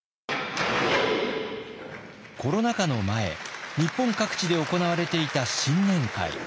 コロナ禍の前日本各地で行われていた新年会。